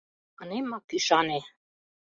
Ынемак ӱшане!